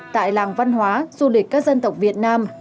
tại làng văn hóa du lịch các dân tộc việt nam